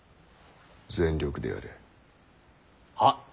全力でやれ。はっ。